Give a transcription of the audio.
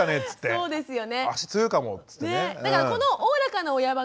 そうですね。